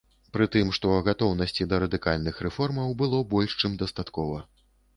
Прытым, што там гатоўнасці да радыкальных рэформаў было больш чым дастаткова.